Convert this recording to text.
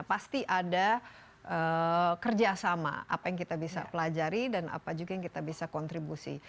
pasti ada kerjasama apa yang kita bisa pelajari dan apa juga yang kita bisa kontribusi